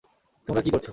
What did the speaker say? তোমরা কী করছ?